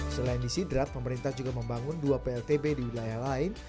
selain di sidrap pemerintah juga membangun dua pltb di wilayah lain